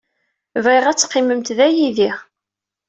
Bɣiɣ ad teqqimemt da, yid-i.